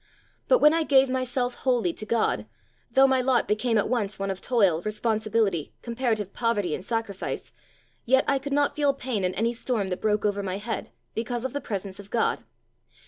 "But when I gave myself wholly to God, though my lot became at once one of toil, responsibility, comparative poverty and sacrifice, yet I could not feel pain in any storm that broke over my head, because of the presence of God.